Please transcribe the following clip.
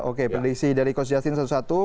oke prediksi dari coach justin satu satu